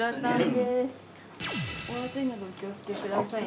お熱いのでお気をつけくださいね。